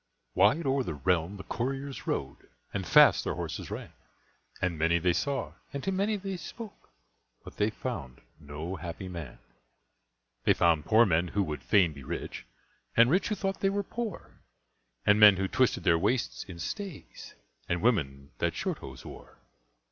Wide o'er the realm the couriers rode, And fast their horses ran, And many they saw, and to many they spoke, But they found no Happy Man. They found poor men who would fain be rich And rich who thought they were poor; And men who twisted their waists in stays, And women that shorthose wore.